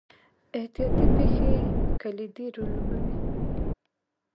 احتیاطي پېښې کلیدي رول لوبوي.